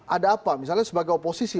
ada apa misalnya sebagai oposisi